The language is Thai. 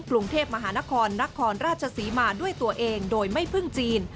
กรุงเทพมหานครนครราชศรีมาด้วยตัวเองโดยไม่พึ่งจีน